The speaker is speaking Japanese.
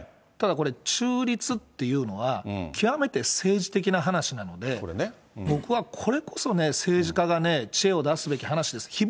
ただこれ、中立っていうのは、極めて政治的な話なので、僕はこれこそね、政治家が知恵を出すべき話です。